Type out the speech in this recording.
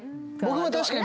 僕も確かに。